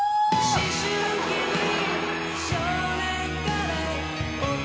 「思春期に少年から大人に」